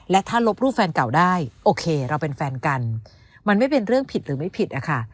และถ้าลบรูปแฟนเก่าได้โอเคเราเป็นแฟนกันมันไม่เป็นเรื่องผิดหรือไม่ผิดอะค่ะ